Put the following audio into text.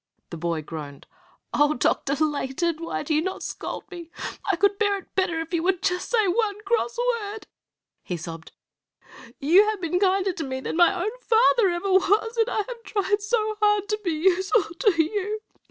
The boy groaned. "O Dr. Layton, why do you not scold me? I could bear it better if you would say just one cross word," he sobbed. "You have been kinder to me than my own father ever was, and I have tried so hard to be useful to you.